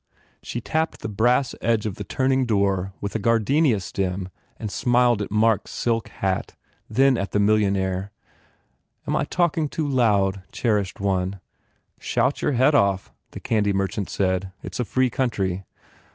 She tapped the brass edge of the turning door with a gardenia stem and smiled at Mark s silk hat, then at the millionaire. "Am I talking too loud, cherished one?" "Shout your head off," the candy merchant said, "It s a free country."